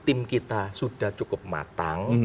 tim kita sudah cukup matang